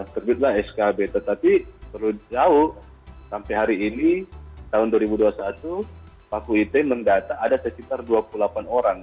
terbitlah skb tetapi perlu jauh sampai hari ini tahun dua ribu dua puluh satu paku ite mendata ada sekitar dua puluh delapan orang